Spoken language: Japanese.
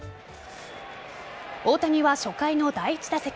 大谷は初回の第１打席。